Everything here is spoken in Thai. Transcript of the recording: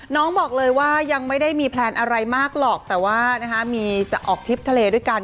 น้องบอกเลยว่ายังไม่ได้มีแพลนอะไรมากหรอกแต่ว่ามีจะออกทริปทะเลด้วยกัน